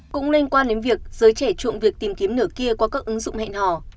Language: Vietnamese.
cũng liên quan đến việc giới trẻ chuộng việc tìm kiếm nửa kia qua các ứng dụng hẹn hò